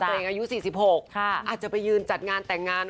อาจจะไปยืนจัดงานแต่งงาน